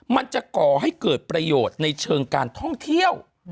ก่อให้เกิดประโยชน์ในเชิงการท่องเที่ยว